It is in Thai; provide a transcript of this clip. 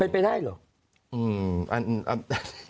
ไปหนึ่ง